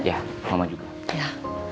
ya mama juga